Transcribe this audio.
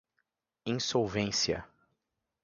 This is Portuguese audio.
insolvência